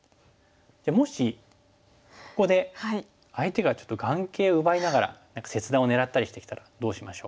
じゃあもしここで相手がちょっと眼形を奪いながら切断を狙ったりしてきたらどうしましょう？